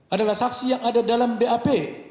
adalah saksi yang ada dalam bap